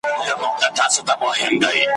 بیا به اوبه وي پکښي راغلي !.